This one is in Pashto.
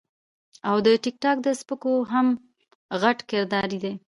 او د ټک ټاک د سپکو هم غټ کردار دے -